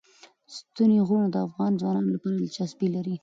ستوني غرونه د افغان ځوانانو لپاره دلچسپي لري.